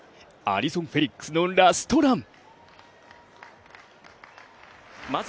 アリソン・フェリックスのラストラン。